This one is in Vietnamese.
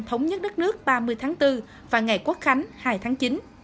thống nhất đất nước ba mươi tháng bốn và ngày quốc khánh hai tháng chín